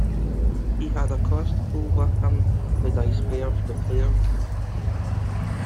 He had a constable with him who dispersed the players.